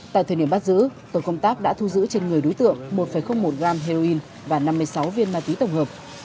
tại thời điểm bắt giữ tổ công tác đã thu giữ trên người đối tượng một một gram heroin và năm mươi sáu viên ma túy tổng hợp